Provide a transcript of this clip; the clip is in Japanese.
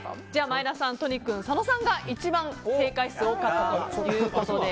前田さん、都仁君、佐野さんが一番正解数が多かったということで。